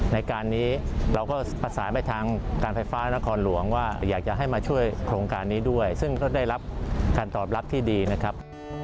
ในการนี้เราก็ประสานไปทางการไฟฟ้านครหลวงว่าอยากจะให้มาช่วยโครงการนี้ด้วยซึ่งก็ได้รับการตอบรับที่ดีนะครับ